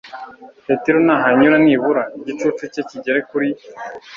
Petero nahanyura nibura igicucu cye kigere kuri